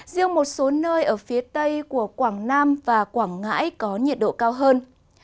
riêng một số nơi ở phía tây của quảng nam và quảng ngãi có nhiệt độ cao hơn